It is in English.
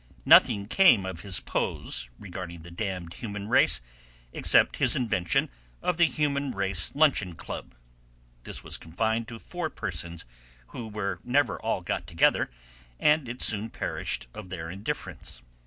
Nothing came of his pose regarding "the damned human race" except his invention of the Human Race Luncheon Club. This was confined to four persons who were never all got together, and it soon perished of their indifference.